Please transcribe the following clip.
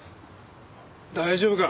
大丈夫か？